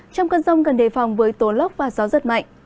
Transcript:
trong cơn rông gần đề phòng với tố lốc và gió rất mạnh